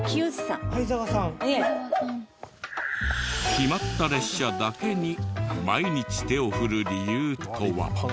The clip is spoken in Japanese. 決まった列車だけに毎日手を振る理由とは？